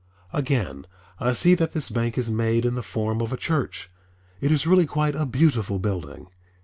Again, I see that this bank is made in the form of a church. It is really quite a beautiful building.